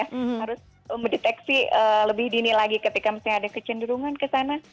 harus mendeteksi lebih dini lagi ketika misalnya ada kecenderungan ke sana